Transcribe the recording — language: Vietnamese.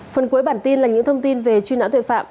phần cuối bản tin là những thông tin về truy nãn tuyệt phạm